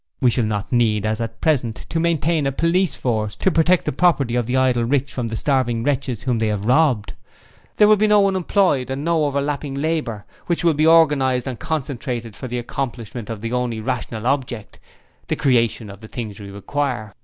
We shall not need as at present, to maintain a police force to protect the property of the idle rich from the starving wretches whom they have robbed. There will be no unemployed and no overlapping of labour, which will be organized and concentrated for the accomplishment of the only rational object the creation of the things we require...